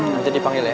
nanti dipanggil ya